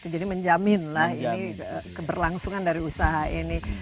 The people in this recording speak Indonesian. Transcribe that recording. jadi menjaminlah keberlangsungan dari usaha ini